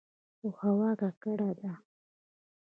خو هوا ککړه ده.